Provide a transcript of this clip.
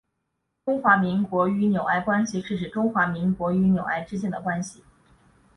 中华民国与纽埃关系是指中华民国与纽埃之间的关系。